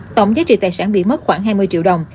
tổng giá trị tài sản bị mất khoảng hai mươi triệu đồng